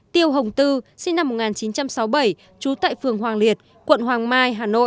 tiêu hồng tư sinh năm một nghìn chín trăm sáu mươi bảy trú tại phường hoàng liệt quận hoàng mai hà nội